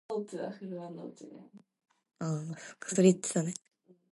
We couldn't do it, but God did.